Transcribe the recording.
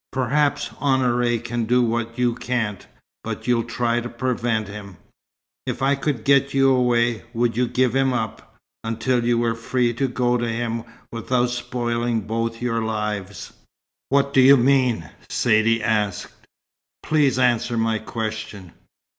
Perhaps Honoré can do what you can't, but you'll try to prevent him." "If I could get you away, would you give him up until you were free to go to him without spoiling both your lives?" "What do you mean?" Saidee asked. "Please answer my question."